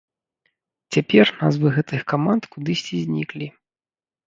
Цяпер назвы гэтых каманд кудысьці зніклі.